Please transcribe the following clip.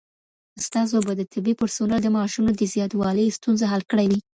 استازو به د طبي پرسونل د معاشونو د زياتوالي ستونزه حل کړي وي.